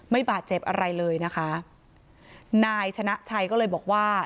บาดเจ็บอะไรเลยนะคะนายชนะชัยก็เลยบอกว่า